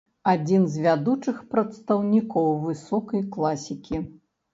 Адзін з вядучых прадстаўнікоў высокай класікі.